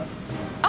あ！